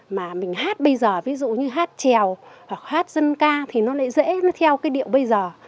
mà mình hát bây giờ ví dụ như hát trèo hoặc hát dân ca thì nó lại dễ nó theo cái điệu bây giờ